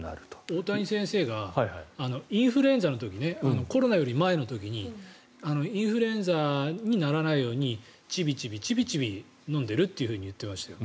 大谷先生がインフルエンザの時にコロナより前の時にインフルエンザにならないようにちびちび飲んでるって言っていましたよ。